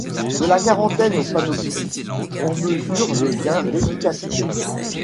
De la quarantaine au panoptique, on mesure le gain d'efficacité.